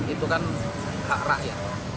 itu kan hak rakyat